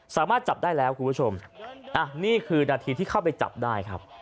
สามารถจับได้แล้วคุณผู้ชมอ่ะนี่คือนาทีที่เข้าไปจับได้ครับ